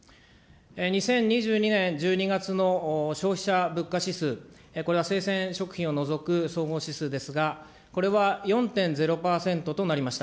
２０２２年１２月の消費者物価指数、これは生鮮食品を除く総合指数ですが、これは４．０％となりました。